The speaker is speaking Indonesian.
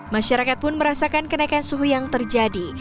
masyarakat pun merasakan kenaikan suhu yang terjadi